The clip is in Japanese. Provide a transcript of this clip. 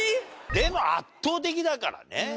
でも圧倒的だからね。